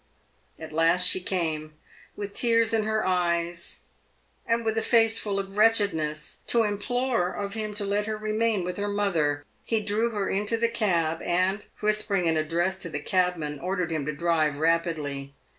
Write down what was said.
At last she came, with tears in her eyes and with a face full of wretchedness, to implore of him to let her remain with her mother. He drew her into the cab, and, whispering an address to the cabman, ordered him to drive rapidly.